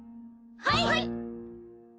はい！